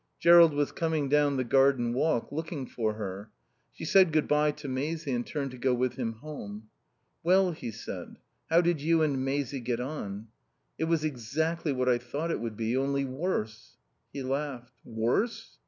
Jerrold was coming down the garden walk, looking for her. She said good bye to Maisie and turned to go with him home. "Well," he said, "how did you and Maisie get on?" "It was exactly what I thought it would be, only worse." He laughed. "Worse?"